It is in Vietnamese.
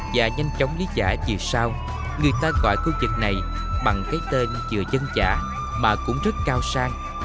và nhanh chóng lý chả chiều sao người ta gọi khu vực này bằng cái tên chừa dân chả mà cũng rất cao sang